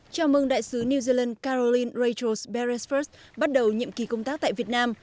chào mừng đại sứ new zealand caroline rachel beresford bắt đầu nhiệm kỳ công tác tại việt nam